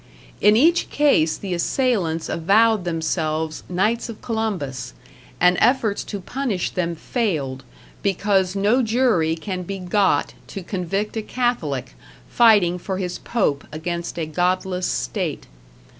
In each case the assailants avowed themselves Knights of Columbus, and efforts to punish them failed, because no jury can be got to convict a Catholic, fighting for his Pope against a godless state.